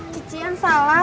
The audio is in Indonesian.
cici yang salah